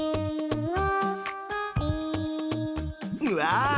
うわ！